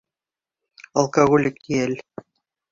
Алкоголик йәл...